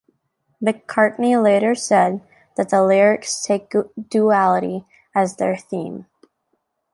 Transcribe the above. McCartney later said that the lyrics take duality as their theme.